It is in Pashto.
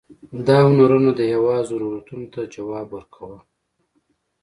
دا هنرونه د هېواد ضرورتونو ته ځواب ورکاوه.